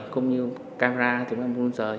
cũng như camera cũng là mô đun rời